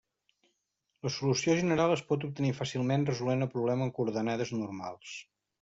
La solució general es pot obtenir fàcilment resolent el problema en coordenades normals.